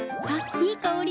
いい香り。